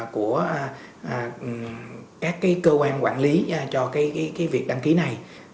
của các cơ quan quản lý cho việc đăng ký này